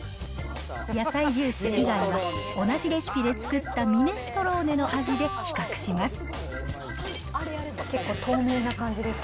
野菜ジュース以外は同じレシピで作ったミネストローネの味で比較します。